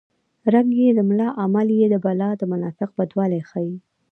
رنګ یې د ملا عمل یې د بلا د منافقت بدوالی ښيي